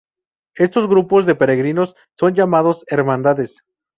Estos grupos de peregrinos son llamados "Hermandades".